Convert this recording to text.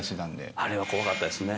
あれは怖かったですね。